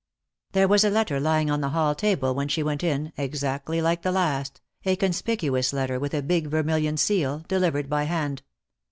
There was a letter lying on the hall table when she went in, exactly like the last, a conspicuous letter with a big vermilion seal, delivered by hand.